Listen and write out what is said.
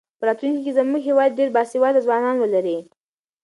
په راتلونکي کې به زموږ هېواد ډېر باسواده ځوانان ولري.